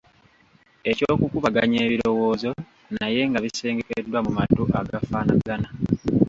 Eky'okukubaganya ebirowoozo naye nga bisengekeddwa mu matu agafaanagana.